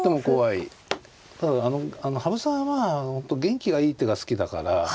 ただ羽生さんは本当元気がいい手が好きだから。